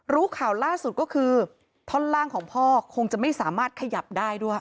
รู้ข่าวล่าสุดก็คือท่อนล่างของพ่อคงจะไม่สามารถขยับได้ด้วย